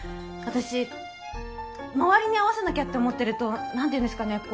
私周りに合わせなきゃって思ってると何て言うんですかね